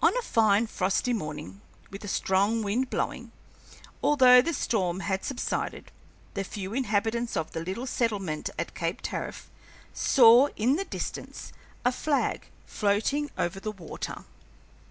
On a fine, frosty morning, with a strong wind blowing, although the storm had subsided, the few inhabitants of the little settlement at Cape Tariff saw in the distance a flag floating over the water.